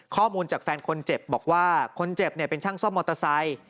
ข้อมูลจากแฟนคนเจ็บบอกว่าคนเจ็บเนี่ยเป็นช่างซ่อมมอเตอร์ไซค์